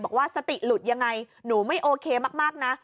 บอกว่าสติหลุดยังไงหนูไม่โอเคมากนะ